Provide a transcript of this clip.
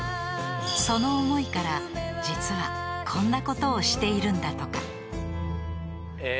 ［その思いから実はこんなことをしているんだとか］え！